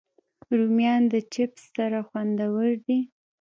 رومیان د چپس سره خوندور دي